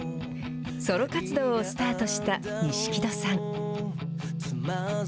ソロ活動をスタートした錦戸さん。